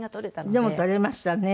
でも撮れましたね。